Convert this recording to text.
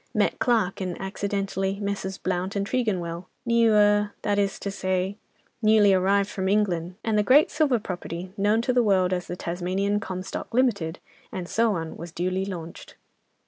Met Clarke and accidentally Messrs. Blount and Tregonwell, new—er—that is to say, newly arrived from England, and the great silver property, known to the world as the 'Tasmanian Comstock, Limited,' and so on was duly launched."